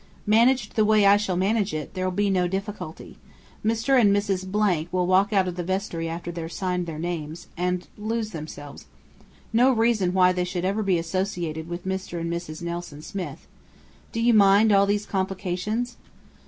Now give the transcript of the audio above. "Managed the way I shall manage it, there'll be no difficulty. Mr. and Mrs. Blank will walk out of the vestry after they've signed their names, and lose themselves. No reason why they should ever be associated with Mr. and Mrs. Nelson Smith. Do you much mind all these complications?"